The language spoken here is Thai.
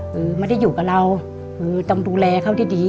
คือไม่ได้อยู่กับเราคือต้องดูแลเขาดี